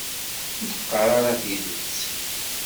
Ur d-qqar ara tidet.